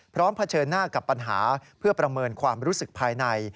เผชิญหน้ากับปัญหาเพื่อประเมินความรู้สึกภายใน